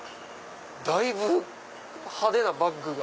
だいぶ派手なバッグが。